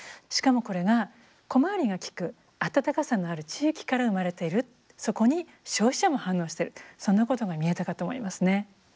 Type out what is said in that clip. しかもこれが小回りが利く温かさのある地域から生まれているそこに消費者も反応してるそんなことが見えたかと思いますね。